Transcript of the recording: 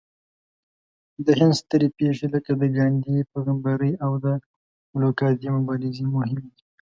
د هند سترې پېښې لکه د ګاندهي پیغمبرۍ او د بلوکادي مبارزې مهمې دي.